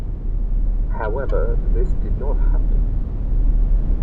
However, this did not happen.